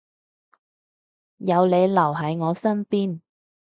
有你留喺我身邊